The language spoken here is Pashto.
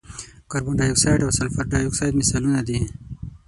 کاربن ډای اکسایډ او سلفر ډای اکساید مثالونه دي.